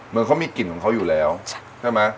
เหมือนเขามีกลิ่นของเขาอยู่แล้วใช่ไหม